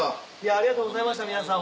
ありがとうございました皆さん